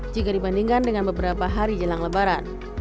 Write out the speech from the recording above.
jika dibandingkan dengan beberapa hari jelang lebaran